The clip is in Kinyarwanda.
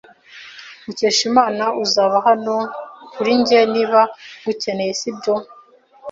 Mukeshimana, uzaba hano kuri njye niba ngukeneye, sibyo?